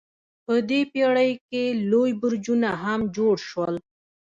په دې پیړۍ کې لوی برجونه هم جوړ شول.